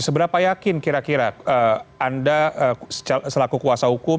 seberapa yakin kira kira anda selaku kuasa hukum